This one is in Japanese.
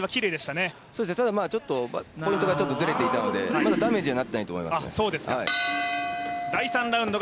ただポイントがずれていたのでまだダメージにはなっていないと思いますね。